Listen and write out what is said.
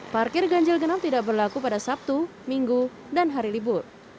parkir ganjil genap tidak berlaku pada sabtu minggu dan hari libur